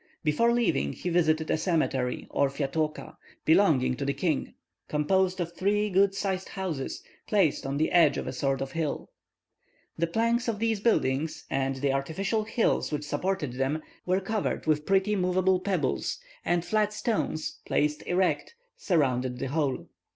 Before leaving, he visited a cemetery or "Fiatooka," belonging to the king, composed of three good sized houses, placed on the edge of a sort of hill. The planks of these buildings, and the artificial hills which supported them, were covered with pretty movable pebbles, and flat stones, placed erect, surrounded the whole.